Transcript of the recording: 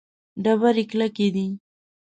ډبرې کلکې دي.